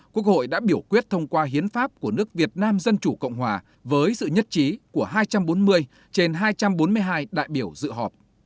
quốc hội đã biểu quyết thông qua hiến pháp của nước việt nam dân chủ cộng hòa với sự nhất trí của hai trăm bốn mươi trên hai trăm bốn mươi hai đại biểu dự họp